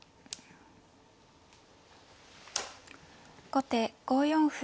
後手５四歩。